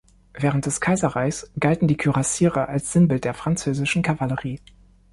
Während des Kaiserreichs galten die Kürassiere als Sinnbild der französischen Kavallerie.